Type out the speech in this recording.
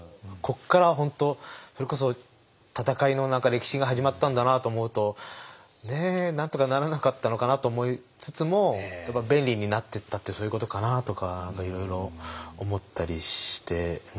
ここから本当それこそ戦いの歴史が始まったんだなあと思うとねなんとかならなかったのかなと思いつつもやっぱり便利になっていったってそういうことかなとかいろいろ思ったりして。